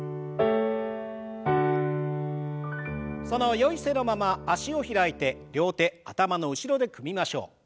そのよい姿勢のまま脚を開いて両手頭の後ろで組みましょう。